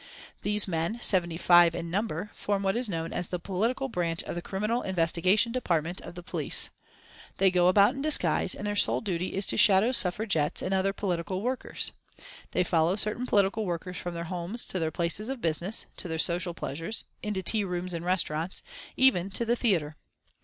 These men, seventy five in number, form what is known as the political branch of the Criminal Investigation Department of the Police. They go about in disguise, and their sole duty is to shadow Suffragettes and other political workers. They follow certain political workers from their homes to their places of business, to their social pleasures, into tea rooms and restaurants, even to the theatre.